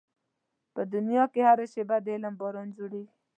په دنيا کې هره شېبه د علم باران ورېږي.